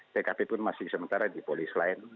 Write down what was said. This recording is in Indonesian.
tkp pun masih sementara di polis lain